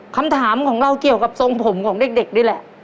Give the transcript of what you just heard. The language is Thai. คำถามของเราเกี่ยวกับทรงผมของเด็กนี่แหละ